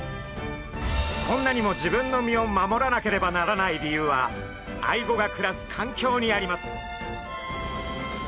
こんなにも自分の身を守らなければならない理由はアイゴが暮らす環境にあります。